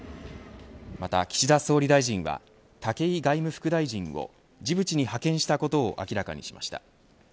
また岸田総理大臣は武井外務副大臣をジブチに派遣したことを明らかにしました。